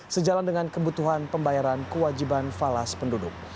sejalan dengan kebutuhan pembayaran kewajiban falas penduduk